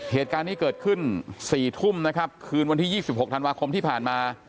เหตุการณ์นี้เกิดขึ้น๔ทุ่มนะครับคืนวันที่๒๖ธันวาคมที่ผ่านมา